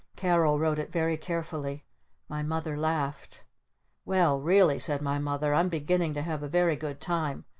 Carol wrote it very carefully. My Mother laughed. "Well really," said my Mother, "I'm beginning to have a very good time.